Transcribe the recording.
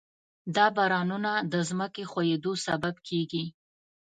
دا بارانونه د ځمکې ښویېدو سبب کېږي.